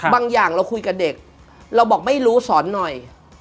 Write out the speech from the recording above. อย่างเราคุยกับเด็กเราบอกไม่รู้สอนหน่อย